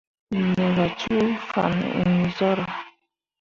Me gah cuu fan iŋ zarah.